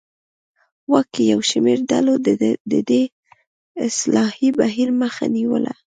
واک کې یو شمېر ډلو د دې اصلاحي بهیر مخه نیوله.